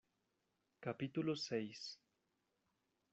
capítulo seis.